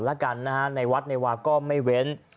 แล้วกันนะฮะในวัดในวาก็ไม่เว้น